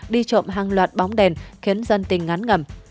đi trộm hàng loạt bóng đèn khiến dân tình ngán ngẩm